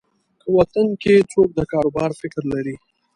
که وطن کې څوک د کاروبار فکر لري.